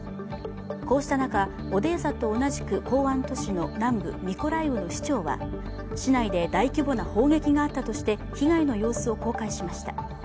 こうした中、オデーサと同じく港湾都市の南部ミコライウの市長は、市内で大規模な砲撃があったとして被害の様子を公開しました。